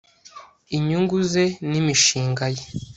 inyungu ze n'imishinga ye